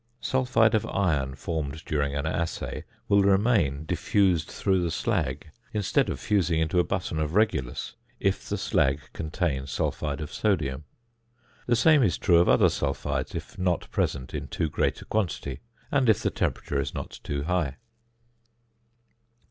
Sulphide of iron formed during an assay will remain diffused through the slag, instead of fusing into a button of regulus, if the slag contain sulphide of sodium. The same is true of other sulphides if not present in too great a quantity, and if the temperature is not too high.